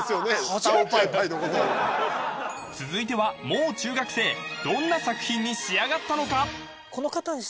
桃白白のことを続いてはもう中学生どんな作品に仕上がったのか？